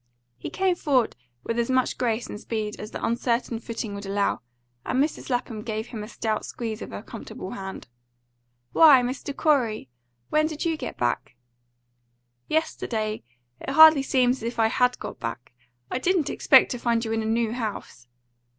He came forward with as much grace and speed as the uncertain footing would allow, and Mrs. Lapham gave him a stout squeeze of her comfortable hand. "Why, Mr. Corey! When did you get back?" "Yesterday. It hardly seems as if I HAD got back. I didn't expect to find you in a new house."